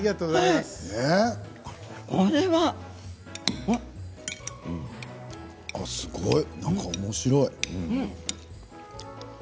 すごいなんか、おもしろい。